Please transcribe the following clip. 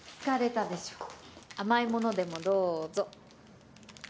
甘いものでもどうぞ。